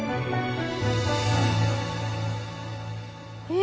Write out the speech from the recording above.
え